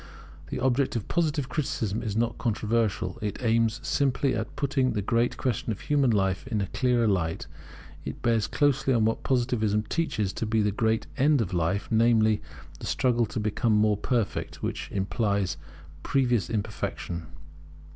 The object of Positive criticism is not controversial. It aims simply at putting the great question of human life in a clearer light. It bears closely on what Positivism teaches to be the great end of life, namely, the struggle to become more perfect; which implies previous imperfection.